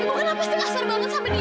ibu kenapa sedih banget sama dia